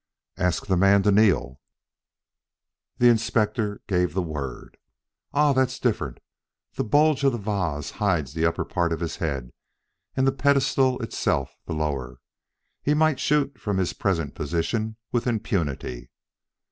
"Ask the man to kneel." The Inspector gave the word. "Ah, that's different! The bulge of the vase hides the upper part of his head, and the pedestal itself the lower. He might shoot from his present position with impunity."